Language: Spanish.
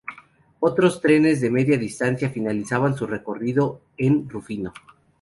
Otros trenes de media distancia finalizaban su recorrido en Rufino.